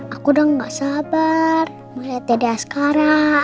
aku udah nggak sabar mau lihatnya di askara